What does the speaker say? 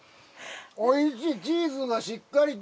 おいしいチーズがしっかりと。